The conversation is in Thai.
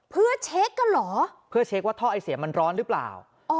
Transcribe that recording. เพื่อเช็คกันเหรอเพื่อเช็คว่าท่อไอเสียมันร้อนหรือเปล่า